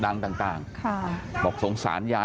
สวัสดีครับคุณผู้ชาย